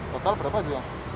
total berapa itu